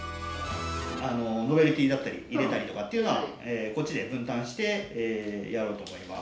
あのノベルティーだったり入れたりとかっていうのはこっちで分担してやろうと思います。